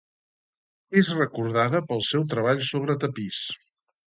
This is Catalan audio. És recordada pel seu treball sobre tapís.